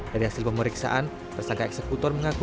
dari hasil pemeriksaan tersangka eksekutor mengaku